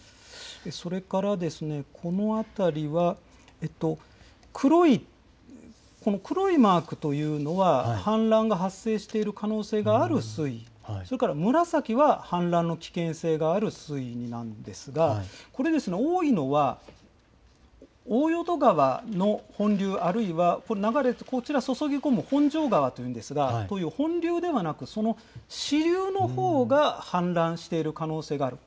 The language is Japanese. それから、この辺りは、黒いマークというのは、氾濫が発生している可能性がある水位、それから紫は氾濫の危険性がある水位なんですが、これ、多いのは大淀川の本流あるいはこれ、流れて、こちら、注ぎ込む本庄川というんですが、本流ではなく、その支流のほうが氾濫している可能性がある。